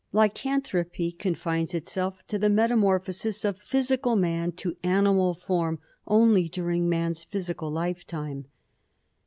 Lycanthropy confines itself to the metamorphosis of physical man to animal form only during man's physical lifetime.